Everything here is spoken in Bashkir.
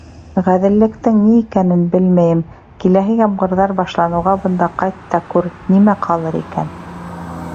— Ғәҙеллектең ни икәнен белмәйем, киләһе ямғырҙар башланыуға бында ҡайт та күр, нимә ҡалыр икән?